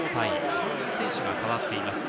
３人選手が代わっています。